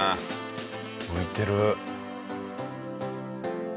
浮いてる！